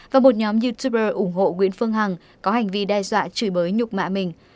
và một nhóm youtuber ủng hộ nguyễn phương hằng có hành vi đe dọa chửi bới nhục mạ mình